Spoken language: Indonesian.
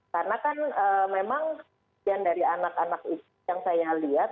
karena kan memang kebijakan dari anak anak itu yang saya lihat